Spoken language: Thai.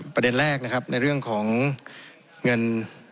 ประเด็นแรกนะครับในเรื่องของเงิน